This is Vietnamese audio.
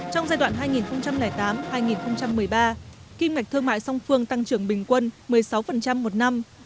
trong giai đoạn hai nghìn tám hai nghìn một mươi ba kim ngạch thương mại song phương tăng trưởng bình quân một mươi sáu một năm